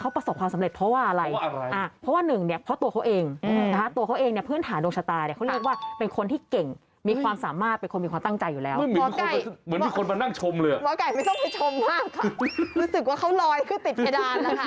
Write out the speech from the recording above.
รู้สึกว่าเขาลอยขึ้นติดแดดอาร์ไหลค่ะ